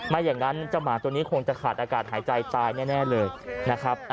ไม่อย่างนั้นเจ้าหมาตัวนี้คงจะขาดอากาศหายใจตายแน่เลยนะครับ